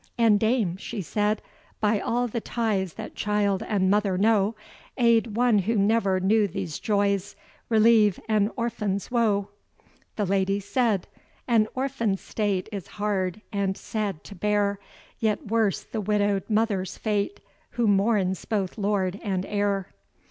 "And, Dame," she said, "by all the ties That child and mother know, Aid one who never knew these joys, Relieve an orphan's woe." The Lady said, "An orphan's state Is hard and sad to bear; Yet worse the widow'd mother's fate, Who mourns both lord and heir.